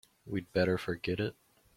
We'd better forget it.